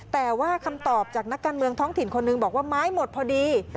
แต่ว่าคำตอบจากนักการเมืองท้องถิ่นคนหนึ่งบอกว่าไม้หมดพอดี